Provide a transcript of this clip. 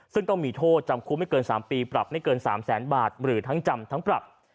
ซึ่งต้องมีโทษจำคุกไม่เกิน๓ปีปรับไม่เกิน๓แสนบาทหรือทั้งจำทั้งปรับ